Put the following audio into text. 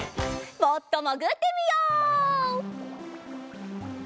もっともぐってみよう！